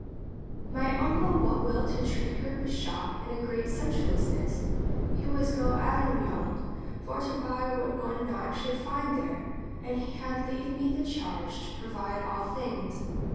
My uncle what will to treat her beshop in a great sumptuouness, he was go Avignon for to buy what one not should find there, and he had leave me the charge to provide all things.